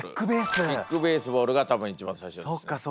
キックベースボールが多分一番最初ですね。